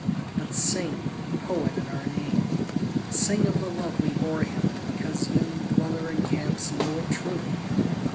But sing poet in our name, Sing of the love we bore him because you, dweller in camps, know it truly.